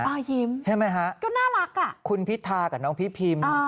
ยิ้มใช่ไหมฮะก็น่ารักอ่ะคุณพิธากับน้องพี่พิม